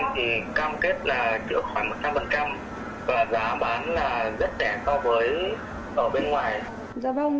thứ thuốc thì cam kết là chữa khoảng một trăm linh và giá bán là rất rẻ so với ở bên ngoài